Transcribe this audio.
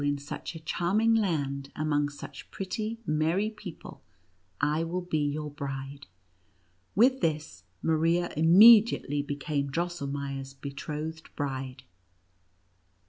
in such a charming land, among such pretty, merry people, I will be your bride." With this, Maria immediately became Drosselmeier's betrothed bride.